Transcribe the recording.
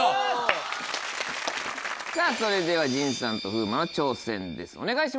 さぁそれでは陣さんと風磨の挑戦ですお願いします。